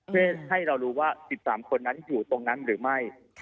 เพื่อให้เรารู้ว่า๑๓คนนั้นอยู่ตรงนั้นหรือไม่